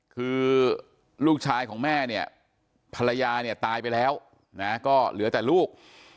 คือลูกชายของแม่เนี่ยภรรยาเนี่ยตายไปแล้วก็เหลือแต่ลูก